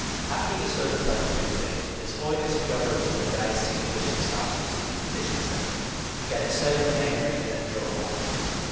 After the service on Tuesday, his holiness Pyotr was in the diocesan bishop's house receiving petitions there; he got excited and angry, and then drove home.